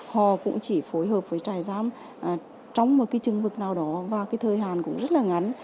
họ cũng chỉ phối hợp với trại giam trong một trường vực nào đó và thời hạn cũng rất ngắn